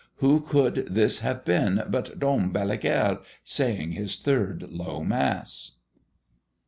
Who could this have been but Dom Balaguère, saying his third Low Mass?